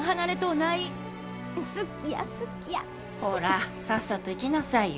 ほらさっさと行きなさいよ。